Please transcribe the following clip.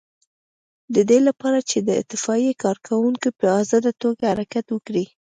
د دې لپاره چې د اطفائیې کارکوونکي په آزاده توګه حرکت وکړي.